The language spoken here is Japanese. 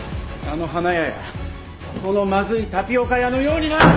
あの花屋やこのまずいタピオカ屋のようにな！